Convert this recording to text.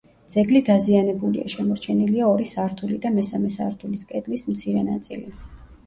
ძეგლი დაზიანებულია: შემორჩენილია ორი სართული და მესამე სართულის კედლის მცირე ნაწილი.